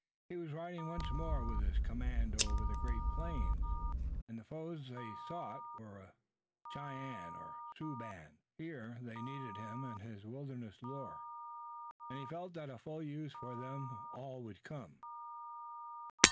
He was riding once more with his command over the great plains, and the foe they sought was a Cheyenne or Sioux band. Here, they needed him and his wilderness lore, and he felt that a full use for them all would come.